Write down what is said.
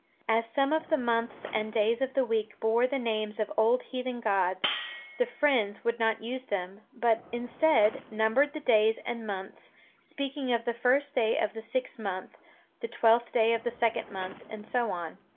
As some of the months and days of the week bore the names of old heathen gods, the Friends would not use them, but, instead, numbered the days and months, speaking of the first day of the sixth month, the twelfth day of the second month, and so on.